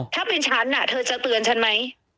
ถ้าเป็นฉันเธอจะเตือนฉันไหม